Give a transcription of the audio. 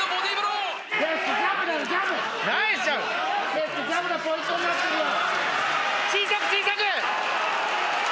圭佑ジャブがポイントになってるよ。